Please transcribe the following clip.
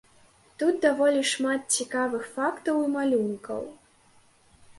Тут даволі шмат цікавых фактаў і малюнкаў.